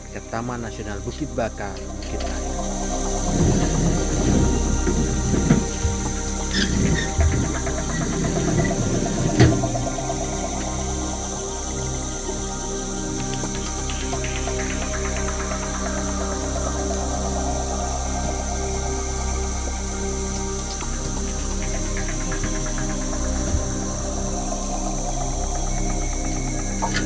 ketaman nasional bukit bakar bukit raya